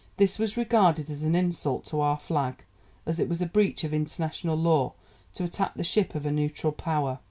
This was regarded as an insult to our flag, as it was a breach of international law to attack the ship of a neutral power.